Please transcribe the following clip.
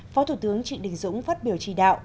phó thủ tướng trịnh đình dũng phát biểu chỉ đạo